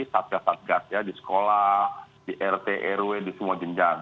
satgas satgas ya di sekolah di rt rw di semua jenjang